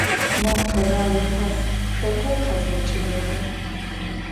Mo kheğağexer xeta khezğeç'ığexer?